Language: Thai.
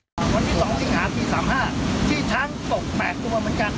วันที่๒สิงหาวันที่๓๕ที่ช้างตกแบบตรงมาเหมือนกัน